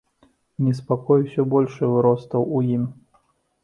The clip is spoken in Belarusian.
Неспакой усё большы выростаў у ім.